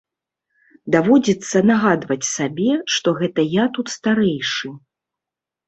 Даводзіцца нагадваць сабе, што гэта я тут старэйшы.